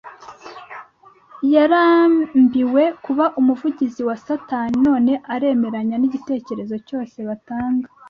Yarambiwe kuba umuvugizi wa satani none aremeranya nigitekerezo cyose batanga,